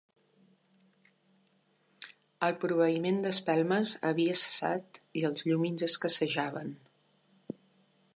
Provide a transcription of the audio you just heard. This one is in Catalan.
El proveïment d'espelmes havia cessat i els llumins escassejaven.